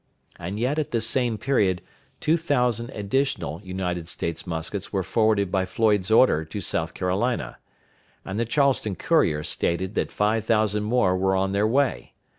And yet at this same period two thousand additional United States muskets were forwarded by Floyd's order to South Carolina; and the Charleston Courier stated that five thousand more were on their way.